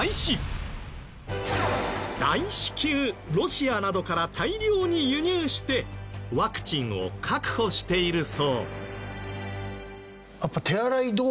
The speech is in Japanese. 大至急ロシアなどから大量に輸入してワクチンを確保しているそう。